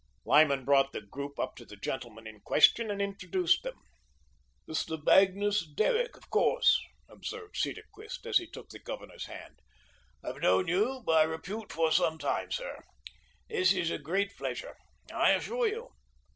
Lyman brought the group up to the gentleman in question and introduced them. "Mr. Magnus Derrick, of course," observed Cedarquist, as he took the Governor's hand. "I've known you by repute for some time, sir. This is a great pleasure, I assure you."